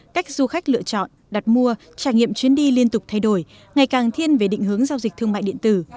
cách du khách lựa chọn đặt mua trải nghiệm chuyến đi liên tục thay đổi ngày càng thiên về định hướng giao dịch thương mại điện tử